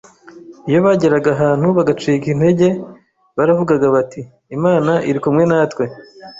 Iyo bageraga ahantu bagacika intege baravugaga bati: Imana irikumwe natwe